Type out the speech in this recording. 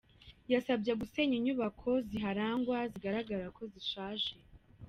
Yabasabye gusenya inyubako ziharangwa zigaragara ko zishaje.